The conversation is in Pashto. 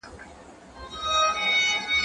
زه اجازه لرم چي کتاب وليکم؟؟